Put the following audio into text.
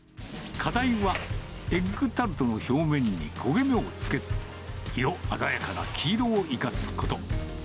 課題は、エッグタルトの表面に焦げ目を付けず、色鮮やかな黄色を生かすこと。